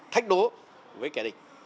thách đố với kẻ địch